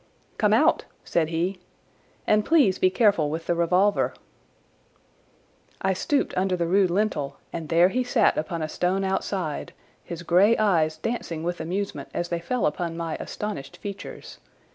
"Come out," said he, "and please be careful with the revolver." I stooped under the rude lintel, and there he sat upon a stone outside, his grey eyes dancing with amusement as they fell upon my astonished features.